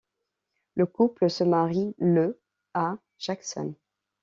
Le couple se marie le à Jackson.